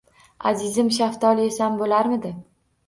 Azizim, shaftoli esam bo`larmidi